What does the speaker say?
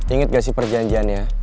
inget gak sih perjanjiannya